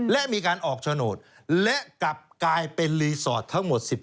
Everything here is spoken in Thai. และมีการออกโฉนดและกลับกลายเป็นรีสอร์ททั้งหมด๑๘